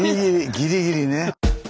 ギリギリね。